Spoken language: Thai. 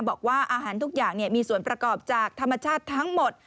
บอกว่าอาหารทุกอย่างมีส่วนประกอบจากธรรมชาติทั้งหมด